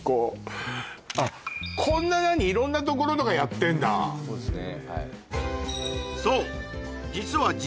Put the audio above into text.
こんな色んなところとかやってんだそうですね